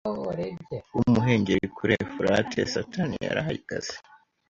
wumuhengeri Kuri Efurate Satani yarahagaze